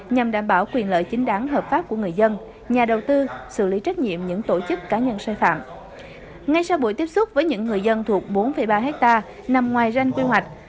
những người dân thuộc bốn ba hectare nằm ngoài ranh quy hoạch